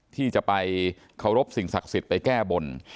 ที่จะไปเคารพสิ่งศักดิ์สิทธิ์ไปแก้บน